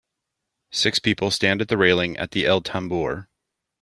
Six people stand at the railing at the El Tambor.